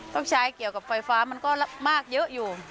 ต้องใช้เกี่ยวกับไฟฟ้ามันก็มากเยอะอยู่